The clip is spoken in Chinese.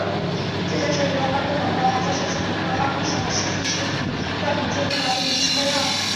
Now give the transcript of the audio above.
浙江省以外发布的广告还在所属广告发布地的省级食品药品监督管理局进行备案。